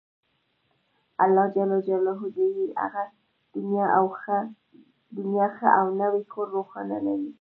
الله ﷻ دې يې هغه دنيا ښه او نوی کور روښانه لري